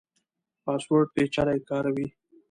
پاسورډ پیچلی کاروئ؟